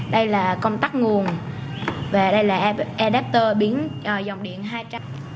đây là công tắc nguồn và đây là adapter biến dòng điện hai trăm linh v